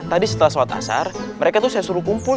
tadi setelah sholat asar mereka tuh saya suruh kumpul